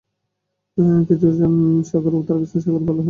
একে জুরজান সাগর ও তাবারিস্তান সাগরও বলা হয়।